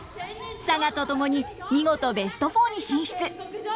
佐賀と共に見事ベスト４に進出！